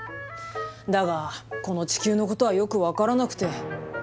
だがこの地球のことはよく分からなくて。